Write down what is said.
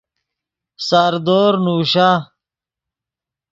ساردور نوشا